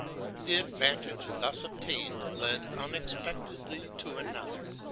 The advantage thus obtained led unexpectedly to another.